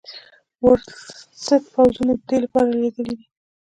ورلسټ پوځونه د دې لپاره لېږلي دي.